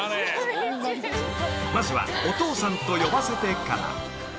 ［まずは『お義父さんと呼ばせて』から］